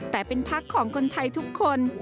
แต่เป็นพักของคนไทยทุกคน